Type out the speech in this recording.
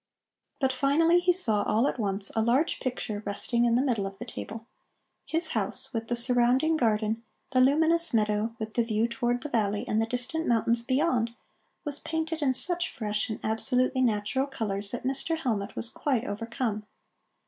But finally he saw all at once a large picture resting in the middle of the table. His house, with the surrounding garden, the luminous meadow with the view toward the valley and the distant mountains beyond, was painted in such fresh and absolutely natural colors that Mr. Hellmut was quite overcome.